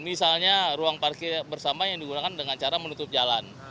misalnya ruang parkir bersama yang digunakan dengan cara menutup jalan